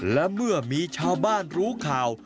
และเมื่อมีชาวบ้านรู้ข่าว